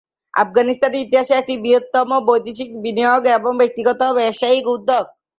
আফগানিস্তানের ইতিহাসে এটি বৃহত্তম বৈদেশিক বিনিয়োগ এবং ব্যক্তিগত ব্যবসায়িক উদ্যোগ।